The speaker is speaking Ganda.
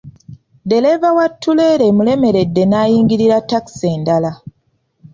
Ddereeva wa ttuleera emulemeredde n'ayingira takisi endala.